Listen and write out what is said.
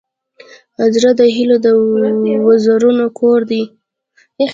زړه د هيلو د وزرونو کور دی.